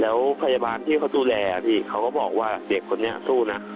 แล้วพยาบาลที่เขาดูแลพี่เขาก็บอกว่าเด็กคนนี้สู้นะ